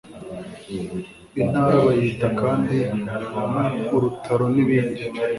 intara bayita kandi urutaro nibindi